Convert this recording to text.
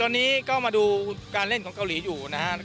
ตอนนี้ก็มาดูการเล่นของเกาหลีอยู่นะครับ